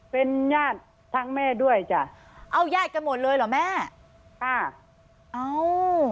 เป็นญาติทางแม่ด้วยจ้ะเอายาดกันหมดเลยเหรอแม่อ่าเอ้า